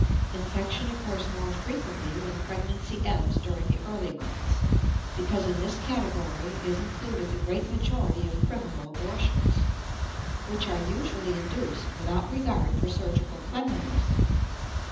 Infection occurs more frequently when pregnancy ends during the early months, because in this category is included the great majority of criminal abortions, which are usually induced without regard for surgical cleanliness.